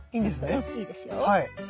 うんいいですよ。